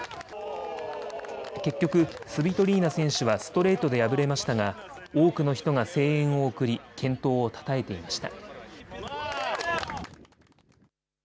結局、スビトリーナ選手はストレートで敗れましたが多くの人が声援を送り健闘をたたえていました。